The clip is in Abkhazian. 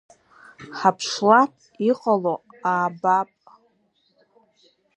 Ҳаԥшлап, иҟало аабап.